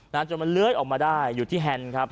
จนมันเลื้อยออกมาได้อยู่ที่แฮนด์ครับ